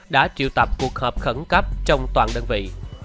đã triệu tập cuộc họp khẩn cấp trong toàn đơn vị